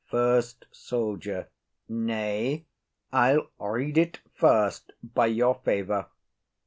FIRST SOLDIER. Nay, I'll read it first by your favour.